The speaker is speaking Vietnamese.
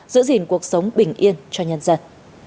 giữ gìn cuộc sống bình yên cho nhân dân